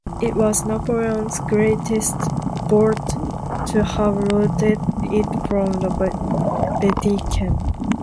It was Napoleon's greatest boast to have looted it from the Vatican.